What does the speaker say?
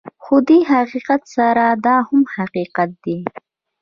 خو دې حقیقت سره دا هم حقیقت دی